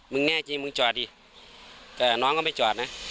แน่จริงมึงจอดดิแต่น้องก็ไม่จอดนะ